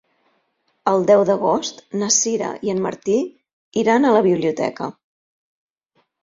El deu d'agost na Sira i en Martí iran a la biblioteca.